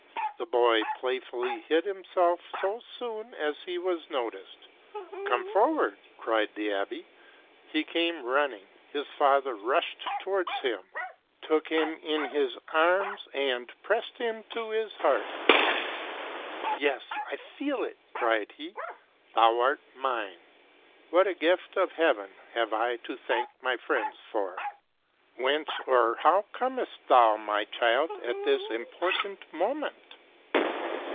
The boy playfully hid him self so soon as he was noticed. " Come forward !" cried the abb6 : he came running ; his father rushed towards him, took him in his arms, and pressed him to his heart. " Yes ! I feel it," cried he, " thou art mine! What a gift of Heaven have I to thank my friends for ! Whence or how comest thou, my child, at this important moment?